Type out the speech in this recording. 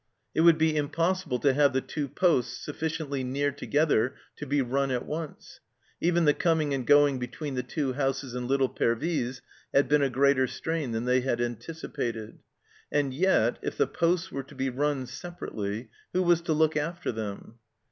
It would be impossible to have the two posies sufficiently near together to be run at once ; even the coming and going between the two houses in little Pervyse had been a greater strain than they had anticipated, and yet, if the posies were to be run separately, who was to look after them